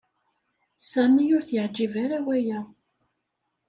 Sami ur t-yeɛjib ara waya.